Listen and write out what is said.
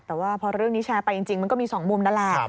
แต่ว่าพอเรื่องนี้แชร์ไปจริงมันก็มี๒มุมนั่นแหละ